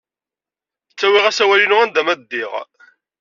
Ttawiɣ asawal-inu anda ma ddiɣ.